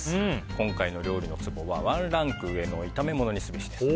今回の料理のツボはワンランク上の炒め物にすべしです。